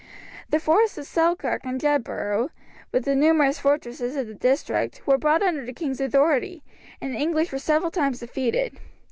The forests of Selkirk and Jedburgh, with the numerous fortresses of the district, were brought under the king's authority, and the English were several times defeated.